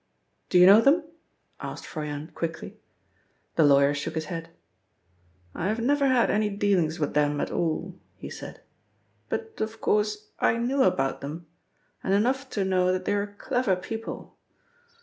"Do you know them?" asked Froyant quickly. The lawyer shook his head. "I have never had any dealings with them at all," he said, "but, of course, I knew about them, and enough to know that they are clever people.